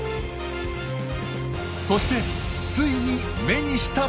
そしてついに目にしたものとは？